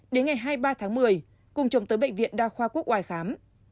đến ngày hai mươi ba tháng một mươi cùng chồng tới bệnh viện đa khoa quốc oai khám